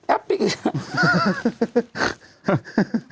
แอปพลิเคชัน